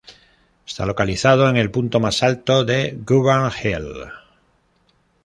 Está localizado en el punto más alto de Government Hill.